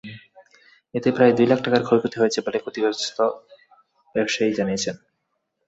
এতে প্রায় দুই লাখ টাকার ক্ষয়ক্ষতি হয়েছে বলে ক্ষতিগ্রস্ত ব্যবসায়ী জানিয়েছেন।